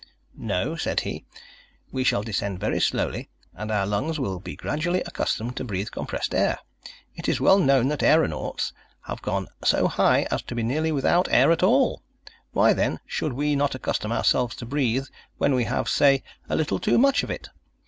"No," said he. "We shall descend very slowly, and our lungs will be gradually accustomed to breathe compressed air. It is well known that aeronauts have gone so high as to be nearly without air at all why, then, should we not accustom ourselves to breathe when we have, say, a little too much of it?